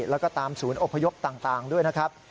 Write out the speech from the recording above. แล้วก็ตามศูนย์อพยพต่างด้วยนะครับ